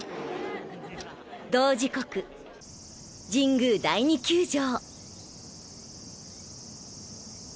同時刻神宮第二球場